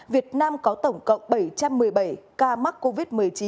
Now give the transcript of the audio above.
việt nam có tổng cộng bảy trăm một mươi bảy ca mắc covid một mươi chín